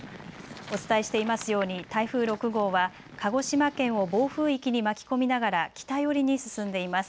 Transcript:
お伝えしていますように台風６号は鹿児島県を暴風域に巻き込みながら北寄りに進んでいます。